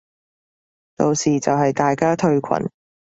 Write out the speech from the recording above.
到時就係大家退群